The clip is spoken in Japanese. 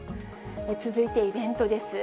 続いてイベントです。